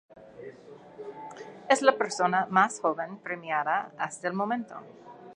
Es la persona más joven premiada hasta el momento.